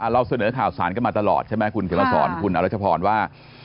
เราเสนอข่าวสารกันมาตลอดใช่ไหมคุณเขียนมาสอนคุณอรัชพรว่า